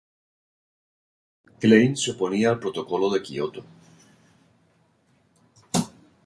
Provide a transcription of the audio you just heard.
Klein se oponía al Protocolo de Kioto.